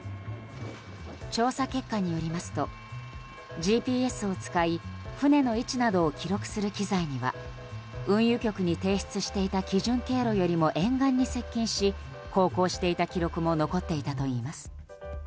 調査結果によりますとＧＰＳを使い船の位置などを記録する機材には運輸局に提出していた基準経路よりも沿岸に接近し航行していた記録も残っていたといいます。